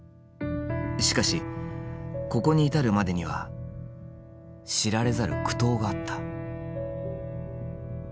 しかしここに至るまでには知られざる苦闘があった。